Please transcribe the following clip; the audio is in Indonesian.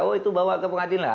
oh itu bawa ke pengadilan